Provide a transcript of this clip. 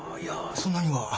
そんなには。